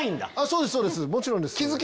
そうですそうですもちろんです。